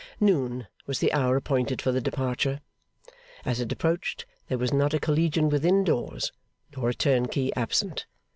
Noon was the hour appointed for the departure. As it approached, there was not a Collegian within doors, nor a turnkey absent.